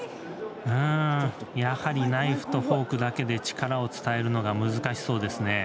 うん、やはりナイフとフォークだけで力を伝えるのが難しそうですね。